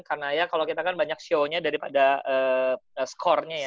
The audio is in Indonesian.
karena ya kalau kita kan banyak show nya daripada score nya ya